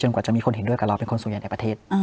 กว่าจะมีคนเห็นด้วยกับเราเป็นคนส่วนใหญ่ในประเทศ